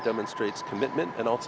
trong nhiều tên khác